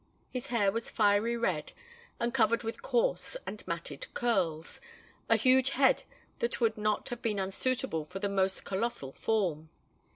His hair was fiery red, and covered with coarse and matted curls a huge head that would not have been unsuitable for the most colossal form.